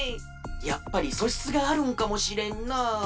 やっぱりそしつがあるんかもしれんな。